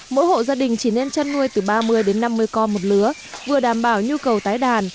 mỗi hộ gia đình chỉ nên chăn nuôi từ ba mươi đến năm mươi con một lứa vừa đảm bảo nhu cầu tái đàn